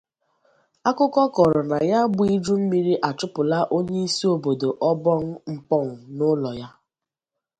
Akụkọ kọrọ na ya bụ ijummiri achụpụla onyeisi obodo Obong Mkpong n'ụlọ ya